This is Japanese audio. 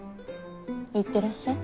行ってらっしゃい。